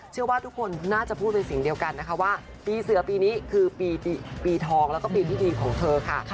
เชื่อว่าทุกคนน่าจะพูดเป็นเสียงเดียวกันนะคะว่าปีเสือปีนี้คือปีทองแล้วก็ปีที่ดีของเธอค่ะ